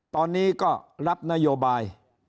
ตอนนี้ก็รับนโยบาย